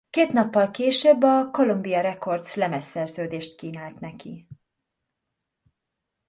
Két nappal később a Columbia Records lemezszerződést kínált neki.